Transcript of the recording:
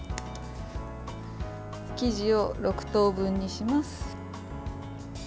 生地を６等分にします。